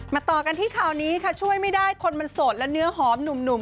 ต่อกันที่ข่าวนี้ค่ะช่วยไม่ได้คนมันโสดและเนื้อหอมหนุ่ม